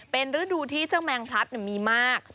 เป็นฤดูที่เจ้าแมงพลัดมีมาก